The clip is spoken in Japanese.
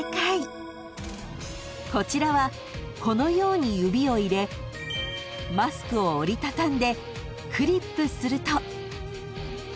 ［こちらはこのように指を入れマスクを折りたたんでクリップすると］